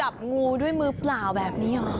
จับงูด้วยมือเปล่าแบบนี้หรอ